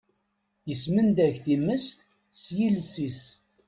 Ismendag times s yiles-is.